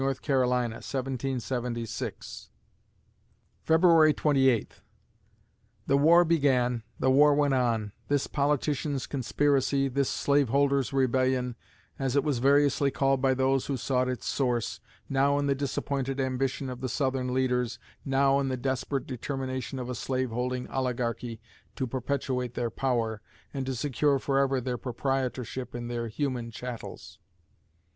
C., 1776_ February Twenty Eighth The war began, the war went on this politicians' conspiracy, this slaveholders' rebellion, as it was variously called by those who sought its source, now in the disappointed ambition of the Southern leaders, now in the desperate determination of a slaveholding oligarchy to perpetuate their power, and to secure forever their proprietorship in their "human chattels."